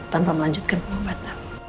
tanpa melanjutkan pemobatan